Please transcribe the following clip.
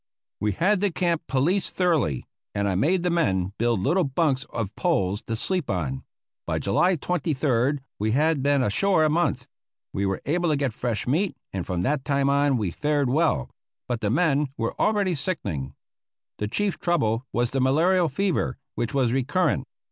We had the camp policed thoroughly, and I made the men build little bunks of poles to sleep on. By July 23rd, when we had been ashore a month, we were able to get fresh meat, and from that time on we fared well; but the men were already sickening. The chief trouble was the malarial fever, which was recurrent.